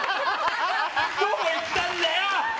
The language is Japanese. どこ行ったんだよ！